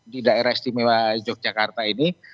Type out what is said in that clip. di daerah istimewa yogyakarta ini